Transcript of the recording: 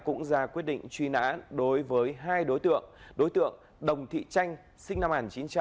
cũng ra quyết định truy nã đối với hai đối tượng đối tượng đồng thị chanh sinh năm một nghìn chín trăm tám mươi